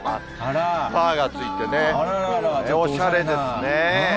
ファーがついてね、おしゃれですね。